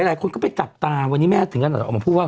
หลายคนก็ไปจับตาวันนี้แม่ถึงขนาดออกมาพูดว่า